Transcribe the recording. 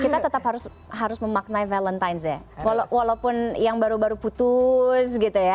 kita tetap harus memaknai valentines ya walaupun yang baru baru putus gitu ya